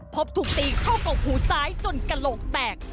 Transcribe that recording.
พบถูกตีเข้ากกหูซ้ายจนกระโหลกแตก